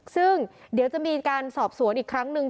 ซึ่งเดี๋ยวจะมีการสอบสวนอีกครั้งหนึ่ง